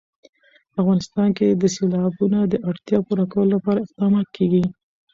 په افغانستان کې د سیلابونه د اړتیاوو پوره کولو لپاره اقدامات کېږي.